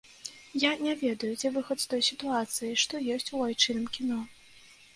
Я не ведаю, дзе выхад з той сітуацыі, што ёсць у айчынным кіно.